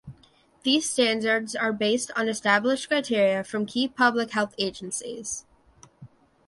These standards are based on established criteria from key public health agencies.